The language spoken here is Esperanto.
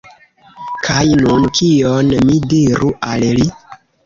Kaj nun, kion mi diru al li?